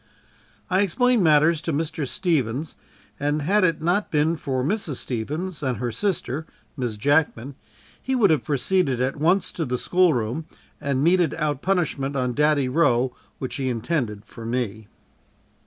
I explained matters to Mr. Stevens and had it not been for Mrs. Stevens and her sister, Miss Jackman, he would have proceeded at once to the school room and meted out the punishment on "Daddy" Roe which he intended for me.